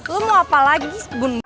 lo mau apa lagi